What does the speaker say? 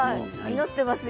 祈ってますよ。